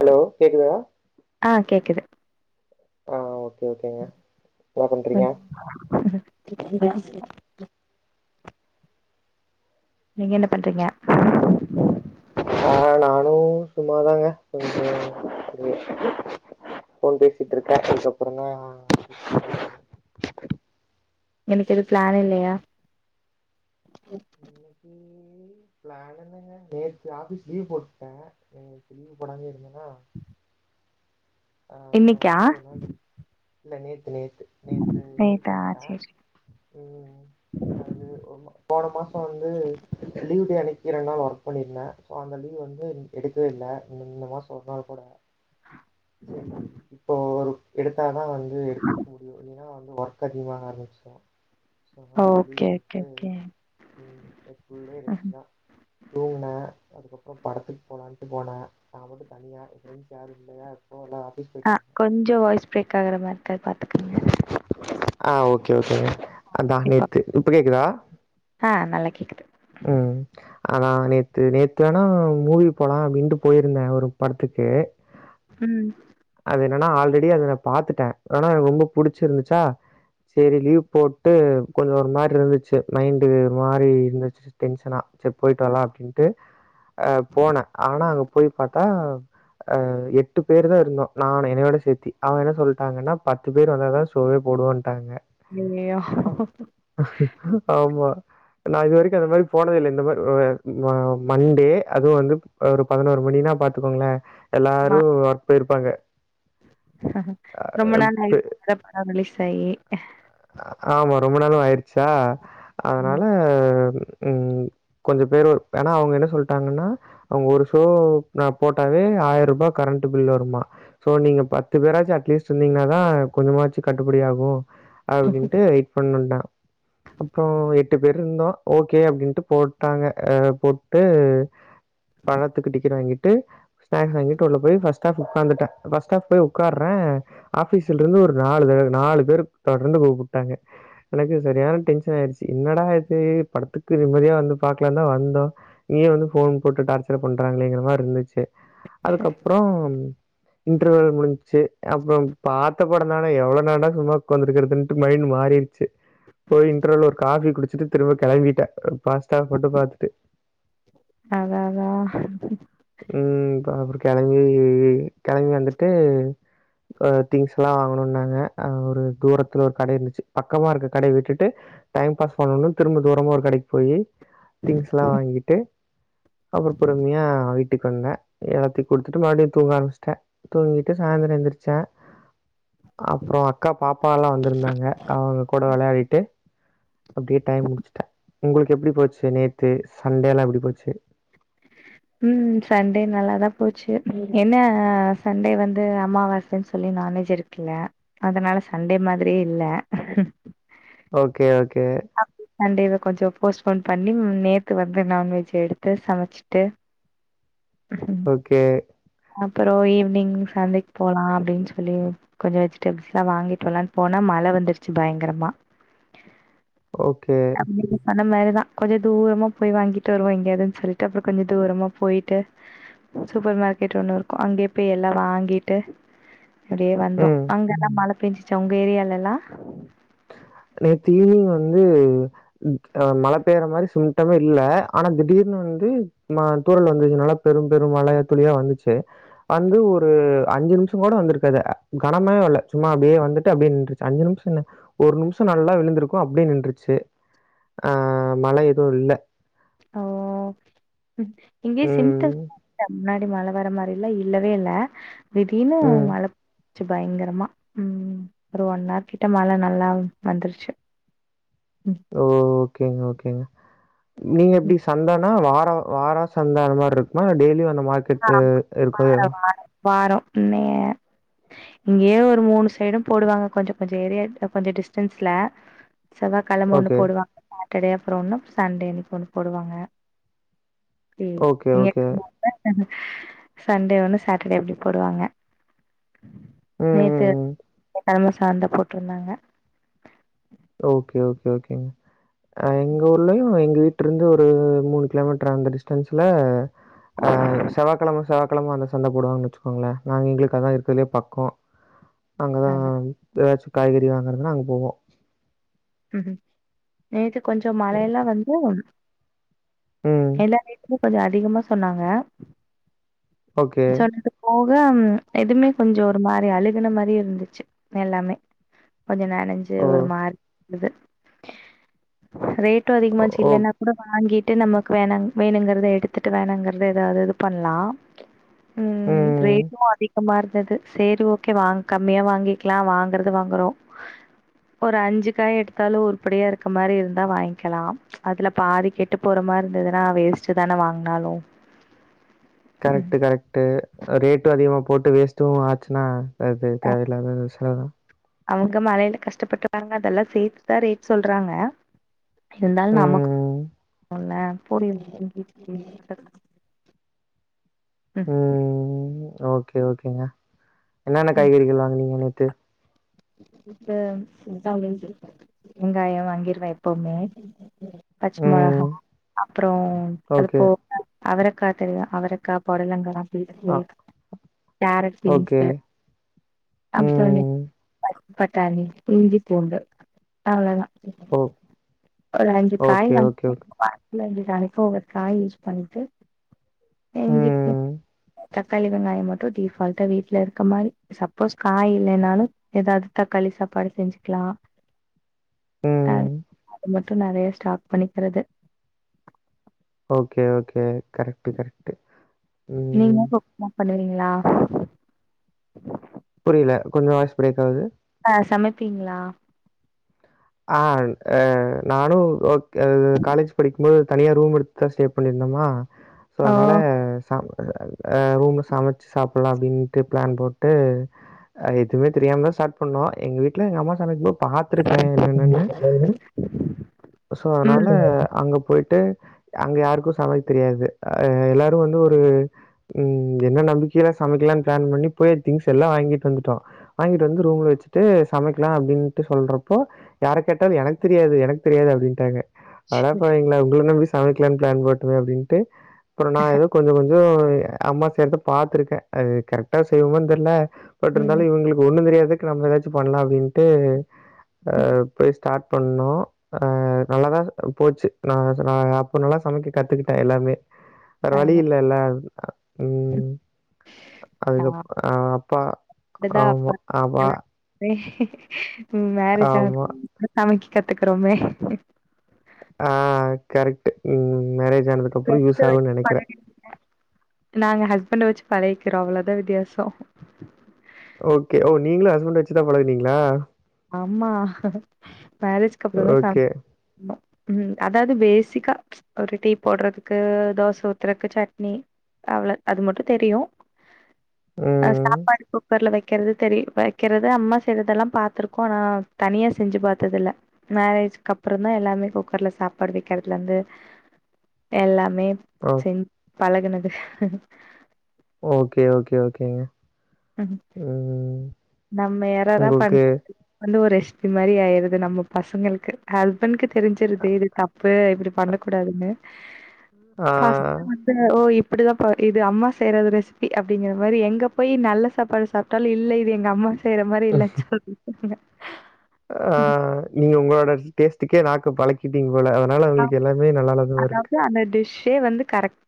Hello கேக்குதா ஆ கேக்குது ஆ ஓகே ஓகேங்க என்ன பண்றீங்க [unintelligible] நீங்க என்ன பண்றீங்க ஆ நானு சும்மாதாங்க கொஞ்ச ஃபோன் பேசிட்ருக்கே அதுக்கப்றொந்தா இன்னைக்கு எதும் ப்ளான் இல்லயா இன்னக்கி ப்ளான் என்னங்க நேத்து ஆஃபீஸ் லீவ் போட்டே இன்னக்கி லீவ் போடாமயே இருந்தேனா ஆ சோ இன்னைக்கா அதுனால ஒரு நாள் லீவ் இல்ல நேத்து நேத் து நேத்து லீவ் நேத்தா போட்டே சேரி உம் அது போன மாச வந்து லீவ் டே அனக் க்கி ரெண்டு நாள் ஒர்க் பண்ணிருந்தே சோ அந்த லீவ் வந்து எடுக்கவே இல்ல இந்த மாசொ ஒரு நாள் போடுவே செரி இப்போ ஒரு எடுத் தா தா வந்து எடுத்துக் முடியு இல்லனா வந் ஒர்க் அதிகமா வேற இருன்ச்சு சேரினு லீவ் ஓகே ஓகே போட்டு ஓகே ஃபுல் டே ரெஸ்ட்டு தா தூங்குனே அதுக்கப் ப படத்துக் போலான்ட்டு போனே நா மட்டு தனியா ஃப்ரெண்ட்ஸ் யாரு இல்லயா போல அஹ் கொஞ்ச வாய்ஸ் பிரேக் ஆகுற மாரி க்கா பாத்துக்குங்க ஆஹ் ஓகே ஓகே அதா நேத்து இப்ப கேக்தா [inaudible] ஆஹ் நல்லா கேக்குது உம் அதா நேத்து நேத்துவேணா மூவி போலா அப்டின்ட்டு போய்ருந்தே ஒரு படத்துக்கு உம் அது என்னன்னா ஆல்ரெடி அத பாத்துட்டேன் ஆனா என ரொம்ப புடிச்சுருந்துச்சா சேரி லீவ் போட்டு கொஞ்ச ஒர் மார்ருந்துச்சு மைன்டு ஒரு மாரி இருந் டென்ஷனா ச்சர் போய்ட்டு வரலா அப்டின்ட்டு அஹ் போன ஆனா அங் போய் பாத்தா ஆஹ் எட்டு பேர் தா இருந்தோ நானே எனயொட சேத்தி அவ என்ன சொல்டாங்கன்னா பத்து பேர் வந்த தா ஷோவே போடுவோன்டாங்க ஐயயோ ஆமா நா இதுவரி ட இது மாரி போனதே இல்ல இந்த மார் மண்டே அதுவு வந்து ஒரு பதினோர் மணினா பாத்துக்கோங்களே ஆமா எல்லாரு ஒர்க் போயிர் ப்பாங்க ரொம்ப நாள் நை பட ரிலீஸ்சாயி ஆமா. ரொம்ப நாளும் ஆய்டுச்சா அதனால உம் கொஞ்ச பேர் ஒரு வேனா அவுங்கன்ன சொல்டாங்கன்னா அவுங்க ஒருஷோ நா போட்டாவே ஆய்ரூபா கரண்ட் பில் வருமா சோ நீங்க பத்து பேராச்சு அட்லீஸ்ட் இருந்தீங்கன்னா தா கொஞ்சமாச்சு கட்டுப்படி ஆகு அப்டின்ட்டு வெயிட் பண்ணுன்டா அப்புற எ ட்டு பேருந்தோ ஓகே அப்டின்டு போட்டாங்க அஹ் போட்டு படத்துக்கு டிக்கட் வாங்கி ட்டு ஸ்நாக்ஸ் வாங்கிட்டு உள்ள போய் ஃபர்ஸ்ட் ஆஃப் உக்காந்துட்ட ஃபர்ஸ்ட் ஆஃப் போய் உக்கார்ரே ஆப்பிஸ்லருந்து ஒரு நாலு தடவ ஒரு நாலு பேர் தொடர்ந்து கூப்புடாங்க எனக்கு சரியான டென்ஷன் ஆய்ருச்சு என்னடா இது படத்துக்கு நிம்மதியா வந்து பாக்லானா வந்தோ இங்கயு வந்து போன் போட்டு டார்ச்சர் பண்றாங்களேங்கற மாரிருந்துச்சு அதுக்கப்பறம் இன்டர்வல் முடிஞ்ச்சு அப்பறம் பாத்த படதானே எவ்ள நேர சும்மா உக்காந்துக்கறதுன்ட்டு மைண்ட் மாறிருச்சு போய் இன்டர்வல் ஒரு காஃபி குடிச்சுட்டு திரும்ப கெளம்பிட்ட பஸ்ட் ஆஃப் மட்டு பாத்துட்டு அதா அதா உம் அப்புறம் கெளம்பி கெளம்பி வந்துட்டு திங்ஸ் எல்லாம் வாங்கணும்ன்னாங்க ஆஹ் ஒரு தூரத்துல ஒரு கட இருந்துச்சு பக்கமா இருக்க கடய விட்டுட்டு டைம் பாஸ் பண்ணனுனு திரும்ப தூரமா ஒரு கடைக்கு போயி திங்ஸ் எல்லாம் வாங்கிட்டு அப்புறம் பொறுமையா வீட் கட்டிட்டு இருந்தேன் எல்லாத்தையும் குடுத்துட்டு மறுபடியும் தூங்க ஆரம்பிச்சுட்டேன் தூங்கிட்டு சாயந்தரம் எந்திரிச்சேன் அப்புறம் அக்கா பாப்பா எல்லாம் வந்திருந்தாங்க அவங்க கூட விளையாடிட்டு அப்படி டைம் முடிச்சுட்ட உங்களுக்கு எப்படி போச்சு நேத்து சண்டே எல்லாம் எப்படி போச்சு உம் சண்டே நல்லாதான் போச்சு என்ன சண்டே வந்து அமாவாசைன்னு சொல்லி நான்வெஜ் எடுக்கல அதனால சண்டே மாதிரியே இல்ல ஓக்கே தோ கே சண்டே இத கொஞ்சோ போஸ்ட்போன் பண்ணி நேத்து வந்து நான்வெஜ் எடுத்து சமைச்சிட்டு ஓக்கே அப்புறம் ஈவினிங் சந்தைக்கு போலாம் அப்டின்னு சொல்லி கொஞ்சோ வெஜிடபிள்ஸ் எல்லாம் வாங்கிட்டு வரலான்னு போனா மழ வந்துருச்சு பயங்கரமா ஓக்கே அந்த மாதிரிதான் கொஞ்சோ தூரமா போய் வாங்கிட்டு வருவோம் எங்கையாதுனு சொல்லிட்டு அப்புறம் கொஞ்சோ தூரமா போயிட்டு சூப்பர் மார்க்கெட் ஒண்ணு இருக்கும் அங்கேயே போய் எல்லாம் வாங்கிட்டு அப்படியே வந்தோம் ம் அங்க தான் மழ பெஞ்சுச்சா உங்க ஏரியால எல்லாம் நேத்து ஈவினிங் வந்து ஆஹ் மழ பெய்யுற மாதிரி சிம்டமே இல்ல ஆனா திடீர்னு வந்து தூரல் வந்துச்சு நல்லா பெரும் பெரும் மழ துளியா வந்துச்சு வந்து ஒரு அஞ்சு நிமிஷம் கூட வந்திருக்காது கனமான மழ சும்மா அப்படியே வந்துட்டு அப்படியே நின்றுச்சு அஞ்சு நிமிஷம் ஒரு நிமிஷம் நல்லா விழுந்திருக்கும் அப்டியே நின்றுச்சு அஹ் மழை எதுவும் இல்ல ஓ உம் இங்கே சிம்ட ம். முன்னாடி மழ வர மாதிரி இல்ல இல்லவே இல்ல திடீர்னு ம். மழ வந்திடிச்சு பயங்கரமா உம் ஒரு ஒன்னஆர் கிட்ட மழ நல்லா வந்துருச்சு ம் ஓக்கேங்க ஓக்கேங்க நீங்க ம் எப்படி சன்டேன்னா வார வாரா சண்ட அந்த மாதிரி இருக்குமா டெய்லி வந்த மார்க்கெட் இருக்க வாரம் இ இங்கேயே ஒரு மூணு சைடும் போடுவாங்க கொஞ்சோ கொஞ்சோ ஏரியா கொஞ்சோ டிஸ்டன்ஸ்ல செவாகிழம ஒண்ணு ஓகே. போடுவாங்க அப்புறம்னு சண்டே அன்னைக்கு ஒன்னு போடுவாங்க ஓகே, நீங்க ஓகே. சண்டே ஒண்ணு சாட்டர்டே அப்படி போடுவாங்க உம் உம் உம் நிரம சார்ந்த போட்டிருந்தாங்க ஓக்கே ஓக்கே ஓக்கேங்க எங்க ஊர்லயும் எங்க வீட்டு ருந்து ஒரு மூணு கிலோமீட்டர் அந்த டிஸ்டன்ஸ்ல ஆஹ் செவ்வா கிழம செவ்வா சனிக்கிழம அந்த சந்த போடுவாங்கன்னு வச்சுக்கோங்களேன் நாங்க எங்களுக்கு அதான் இருக்கிறதே பக்கோம் அங்கதான் அதா ஏதாச்சும் காய்கறி வாங்குறதுனா அங்க போவோம் [unintelligible] கொஞ்ச மழயெலாம் வந்து ம். [unintelligible] கொஞ்ச அதிகமா சொன்னாங்க ஓகே. சொல்லது போ [unintelligible] எதுமே கொஞ்ச ஒரு மாரி அழுகுன மாரி இருந்துச்சு எல்லாமே கொஞ்ச நனஞ்சு ஓ ஒரு மாரி இது ரேட் கூட்டோம் ஓ அதிகமான்சி ஓ இல்லன்னா கூட வாங்கிட் ட்டு நமக்கு வேண வேணுங்கறத எடுத்துட்டு வேணாங்குறத எதாது இது பண்ணலாம் உம் ம். ரேட்டும் அதிக இருந்தது சரி ஓகே வா கம்மியா வாங்கிக்கலாம் வாங்கறது வாங்குறோம் ஒரு அஞ்சு க்காய் எடுத்தாலும் உருப்படியா இருக்க மாரி இருந்தா வாங்கிக்கலாம் அதுல பாதி கெட்டு போற மாரி இருந்ததுன்னா வேஸ்ட் தானே வாங்கினாலும் கரெக்டு கரெக்டு ரேட்டு அதிகமா போட்டு வேஸ்ட்டும் ஆச்சுன்னா அது தேவலாததுஸ்க் [unintelligible] அவங்க மழயில கஷ்டப்பட்டுவாங்க அதெல்லாம் சேத்துதான் ரேட் சொல்றாங்க இருந்தாலும் நமக்கு ம். ல போடி உம் ம். ஓகே ஓகேங்க என்னென்ன காய்கறிகள் வாங்குனிங்க ட்டு இப்ப வெங்காயம் வாங்கிருவேன் எப்பவுமே பச்ச ம். மிளகா அப்பறம் அது ஓகே. போ அவரக்கா தெரியும் அவரக்கா பொடலங்க ஆ [unintelligible] கேரட் பீன்ஸ் ஓகே. அப்ப சொன் ம். பட்டானி இஞ்சி பூண்டு அவளதான் ஒ ஒரு அஞ்சு காய் [unintelligible] இல்ல அஞ்சு நாளைக்கு ஒவ்வொரு காய் யூஸ் பண்ணிட்டு இஞ்சி பூ உம் தக்காளி வெங்காயோ மட்டு டிஃபால்டா வீட்ல இருக்க மாரி சப்போஸ் காய் இல்லைன்னாலு ஏதாவது தக்காளி சாப்பாடு செஞ்சுக்கலா ஆஹ் ம். [unintelligible] க்கு நெறைய ஸ்டாப் பண்ணிக்கிறது ஓகே ஓகே கரெட்டு கரெட்டு உம் பண்ணறீங்களா இல்ல கொஞ்ச வாய்ஸ் பிரேக் ஆகுது ஆஹ் சமைப்பீங்களா ஆஹ் அஹ் நானு ஓ அ காலேஜ் படிக்கும்போது தனியா ரூம் எடுத்துதா ஸ்டே பண்ணிருந்தோமா சோ ஓ அதனால ச ஆ ஆ ரூம்ல சமைச்சு சாப்டலா அப்டின்ட்டு பிளான் போட்டு அ எதுவுமே தெரியாமதா ஸ்டார்ட் பண்ணோ எங்க வீட்ல எங்க அம்மா சமைக்கும்போ பாத்ருக்கே என்ன என்னன்னு சோ அதனால ம் அங்க போ போய்ட்டு அங்க யாருக்கு சமைக்க தெரியாது ஆ எல்லாரு வந்து ஒரு ம் என்ன நம்பிக்கையில சமைக்கலாம்னு பிளான் பண்ணி போய் திங்ஸ் எல்லாம் வாங்கிட்டு வந்துட்டோ வாங்கிட்டு வந்து ரூம்ல வச்சுட்டு சமைக்கலா அப்டின்ட்டு சொல்றப் போ யார கேட்டாலு எனக்கு தெரியாது எனக்கு தெரியாது அப்டின்ட்டாங்க அடப்பாவிங்களா உங்க நம்பி செ சமைக்கிலான் பிளான் போட்டமே அப்டின்னுட்டு அப்புறோ நா ஏதோ கொஞ்ச கொஞ்சோ து அம்மா செய்றத பாத்ருக்கே அது கரெக்டா செய்வோமானு தெர்ல பட் இருந்தாலு ம் இவங்களுக்கு ஒண்ணுந் தெரியாது இதுக்கு நம்ம ஏதாச்சு பண்லா அப்டின்ட்டு அ ம் அப்டியே ஸ்டாட் பண்ணோ ஆஹ் நல்லாதா போச்சு நா ச நா அப்ப நல்லா சமைக்க கத்துக்கிட்டே எல்லாமே வேற வழி அதா இல்லல்ல உம் அதுக்கு அப் அப்பா அப்டிதா ஆமா ஆமா [inaudible] உம் மேரேஜ் ஆ ஆமா. சமைக்க கத்துக்றோமே ஆஹ் கரெக்ட் உம் மேரேஜ் ஜு ஆனதுக்கு அப்புறோ யூஸ் ஆகும்னு நெனைக்கிறே பண்ட வச்சு பழகிக்கிறோ அவ்ளோதா வித்தியாசோ ஓகே ஓ நீங்களு ஹஸ்பண்ட வச்சுதா பழகுனீங்களா ஆமா மேரேஜ்க அப்புறம் தான் சாப்ப ஓகே. உஹம் அதாவது பேசிக்கா ஒரு டீ போடுறதுக்கு தோசை ஊத்துறதுக்கு சட்னி அவ்வளவு அது மட்டும் தெரியும் அ ம். சாப்பாடு குக்கர்ல வை கேள்தெரி வைக்கிறது அம்மா செய்ல்றதெல்லாம் பாார்த்திக் ஆனா தனியா செஞ்சு பார்த்தது இல்ல மேரேஜக்கு அப்புறம் தான் எல்லாமே குக்கர்ல சாப்பாடு வைக்கிறதுல இருந்து எல்லாமே ஆஹ் பழகனது ஓகே ஓகே ஓகேங்க உம் ம். நம ஏறெல்லாம் பண் உங்களுக்கு வந்து ஒருஊஷ [unintelligible] ஸ்பின்மாதிரி ஆயது நம்ம பசங்களுக்கு ஹெ உனக்கு தெரிஞ்சிருது இது தப்பு இப்படி பண்ண கூடாதுங்க ஆ பாஸ்ட்டா வந்த ஓய் அப்படிதான்பா இது அம்மா செய்யற ரெசிபி அப்படிங்கிற மாதிரி எங்க போய் நல்ல சாப்பாடு சாப்பிட்டாலும் இல்லை இது எங்க அம்மா செய்ற மாதிரி இல்லா சொல்லுங்க ஆஹ் நீங்க உங்களோட டேஸ்ட்கே நாக்க பழக்கிட்டீங்க போல அதனால ஆமா. அவங்களுக்கு எல்லாமே நல்லாத மாதிரி இருக்கு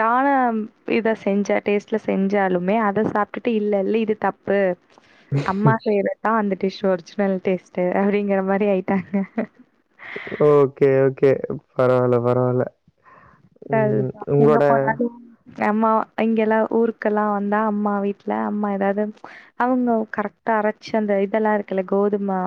தாளம் இத செஞ்ச டேஸ்ட்டில செஞ்சாலுமே அதை சாப்பிட்டுட்டு இல்லை இல்லை இது தப்பு அம்மா செய்றதான் வது டிஷ் ஒரிஜினல் டேஸ்ட் அப்படிங்கற மாதிரி ஆயிட்டாங்க ஓகே ஓகே பரவால்ல பரவால்ல அப்பா ம். எங்க உங்களோட போனாலும் [inaudible] என் அம்மா இங்க எல்லாம் ஊருக்கெல்லாம் வந்தா அம்மா வீட்டுல அம்மா ஏதாவது அவங்க கரெக்டா அரைச்சு அந்த இதெல்லாம் இருக்குல்ல கோதுமை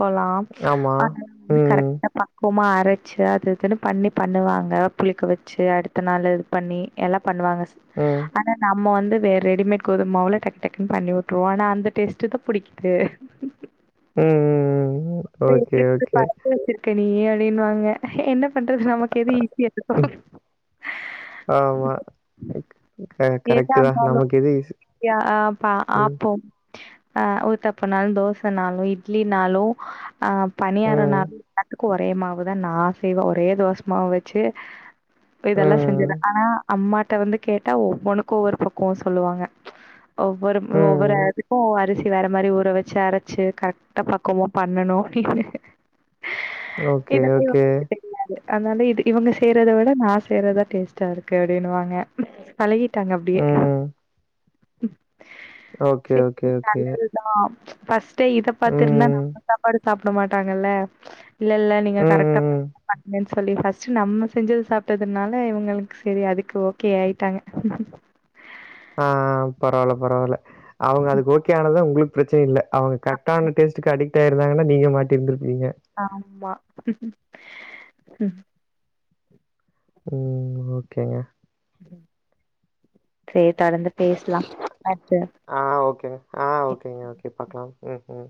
போலாம் ஆமா. ஆனா அங்க வந்து ம். கரெக்டா பக்குவமா வெச்சி அது இது பண்ணி பண்ணுவாங்க புளி வச்சு அடுத்த நாள் இது பண்ணி எல்ல பண்ணுவாங்க ம். ஆன ந நம்ம வந்து வேற ரெடிமேட் கோதுமவுல டக்கு டக்குன்னு பண்ணி விட்டுருோம் ஆனா அந்த டேஸ்ட்டு தான் பிடிக்குது உம் ஓகே ஓகே நீயா அப்படின்னு வாங்க என்ன பண்றது நமக்கு எதுஈசிய ம் ஹாமா கர எதா கரெக்ட் தான் இருந்தாலு நமக்கு எது ஈசி ம் ஹா உத்தபயினலோ தோசையினலோ இட்லியினலோ ஹா பனியாரம் ம். நா ஒரே மாவுதன் நா செய்வ ஒரே தோசமாவுவச்சு இதெல்லாம் ம். செஞ்து ஆனா அம்மா அத வந்து கேட்டா ஒவ்வொன்னுக்கும் ஒரு பக்குவம் சொல்லுவாங்க ஒவ்வொரு ஒவ்வொரு ம். அதுக்கும் அரிசி வேற மாரி ஊர வச்சி அரைச்சி கரெக்டா பக்குவமா பண்ணனும் அப்பிடின்னு ஓக்கே ஓக்கே அதுனால இது இவங்க செய்யறத விட நான் செய்றது டேஸ்ட்டா இருக்கு அப்பிடின்னுவாங்க பழகிட்டாங்க அப்பிடியே [unintelligible] ம். Okay, okay, okay. சேனல் தான் பஸ் அத்தை இத பாத்துருந்த ம். நம்ம சாப்பாடு சாப்பிடமாட்டங்கள்ல இல்ல இல்ல நீங்க ம். கரெக்டா ம். [unintelligible] சொல்லி ஃபஸ்ட்டு நம்ம செஞ்சது சாப்பிடதுனால இவங்களுக்கு சரி அதுக்கு ஓகே ஆயிட்டாங்க ஹா ஹா பரவல பரவல அவுங்க அதுக்கு ஓக்கேயானா தான் உங்களுக்கு பிரச்சயில்ல அவங்க கரெக்டான டேஸ்டு அடிக் இருந்தாங்கானா நீங்க மாட்டி இருந் ஆம்மா ம் ம் ம் ஓகேங்க உ [unintelligible] செ தொடர்ந்து பேசலாம் அடுத்து ஆ ம்ம்